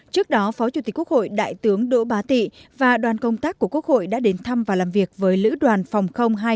trước đó phó chủ tịch quốc hội đại tướng đỗ bá tị và đoàn công tác của quốc hội đã đến thăm và làm việc với lữ đoàn phòng hai trăm hai mươi một